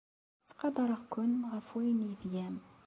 Ttqadareɣ-ken ɣef wayen ay tgam.